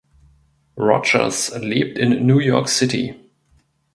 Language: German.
Rogers lebt in New York City.